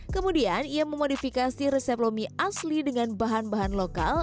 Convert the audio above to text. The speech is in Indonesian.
kemudian ia memodifikasi resep lomi asli dengan bahan bahan lokal